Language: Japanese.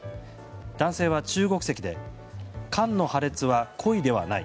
男性は中国籍で缶の破裂は故意ではない。